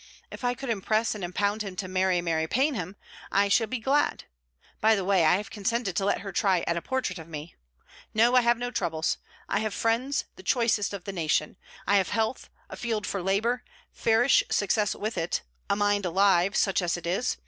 If I could impress and impound him to marry Mary Paynham, I should be glad. By the way, I have consented to let her try at a portrait of me. No, I have no troubles. I have friends, the choicest of the nation; I have health, a field for labour, fairish success with it; a mind alive, such as it is.